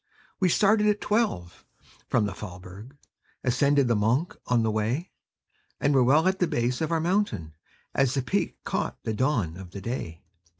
We started at twelve from the Faulberg; Ascended the Monch by the way; And were well at the base of our mountain, As the peak caught the dawn of the day.